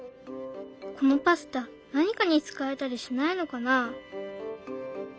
このパスタ何かに使えたりしないのかな？